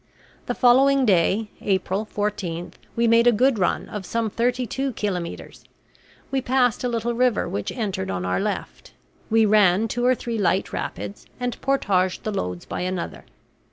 The following day, April 14, we made a good run of some thirty two kilometres. We passed a little river which entered on our left. We ran two or three light rapids, and portaged the loads by another.